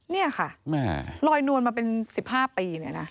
นี่ค่ะลอยนวนมาเป็น๑๕ปี